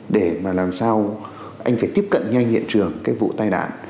để mà làm sao anh phải tiếp cận nhanh hiện trường cái vụ tai nạn